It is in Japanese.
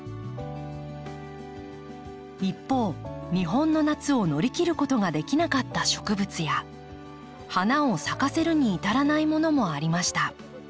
一方日本の夏を乗り切ることができなかった植物や花を咲かせるに至らないものもありました。